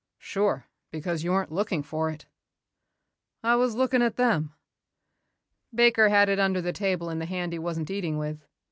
"Sure, because you weren't looking for it." "I was looking at them." "Baker had it under the table in the hand he wasn't eating with.